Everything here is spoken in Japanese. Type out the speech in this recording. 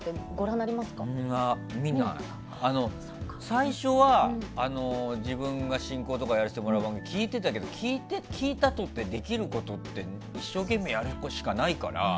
最初は自分が進行とかやらせてもらう番組では聞いてたけど、聞いたとてできることって一生懸命やることしかないから。